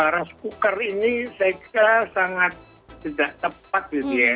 rest cooker ini saya kira sangat tidak tepat